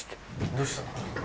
どうしたのかな。